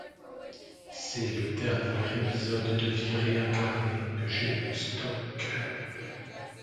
C’est le dernier épisode de vie réincarnée que j’ai en stock…